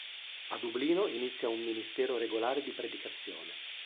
A Dublino inizia un ministero regolare di predicazione.